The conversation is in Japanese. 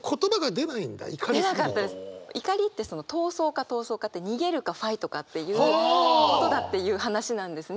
怒りって「逃走」か「闘争」かって「逃げる」か「ファイト」かっていうことだっていう話なんですね。